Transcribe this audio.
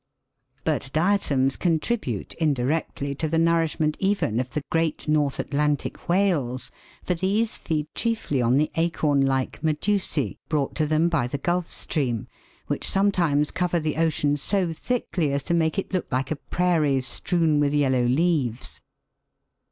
157 But diatoms contribute indirectly to the nourishment even of the great North Atlantic whales, for these feed chiefly on the acorn like* medusae, brought to them by the Gulf Stream, which sometimes cover the ocean so thickly as to make it look like a prairie strewn with yellow leaves.